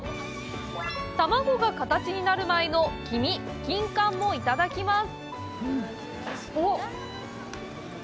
卵が形になる前の黄身、キンカンもいただきます！